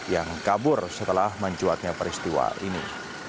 yang kabur setelah mencuatnya peristiwa ini